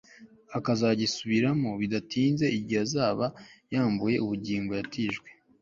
akazagisubiramo bidatinze, igihe azaba yambuwe ubugingo yatijwe